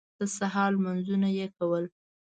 د سهار لمونځونه یې کول.